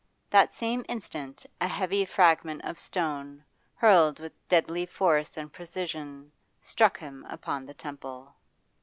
That same instant a heavy fragment of stone, hurled with deadly force and precision, struck him upon the temple.